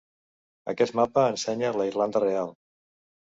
Aquest mapa ensenya la Irlanda real.